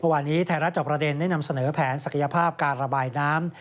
วันนี้ไทยรัฐจอบประเด็นได้นำเสนอแผนศักยภาพการระบายน้ำ